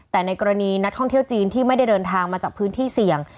แต่ในกรณีนักท่องเที่ยวจีนที่ไม่ได้เดินทางมาจากพื้นที่เสี่ยง